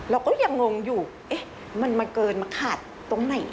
เราก็ยังงงอยู่เอ๊ะมันมาเกินมาขาดตรงไหน